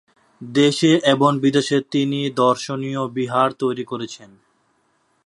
দেশে এবং বিদেশে তিনি দর্শনীয় বিহার তৈরি করেছেন।